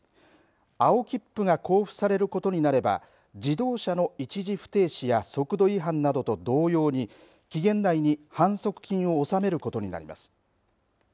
青切符が交付されることになれば自動車の一時不停止や速度違反などと同様に期限内に反則金を納めることになります。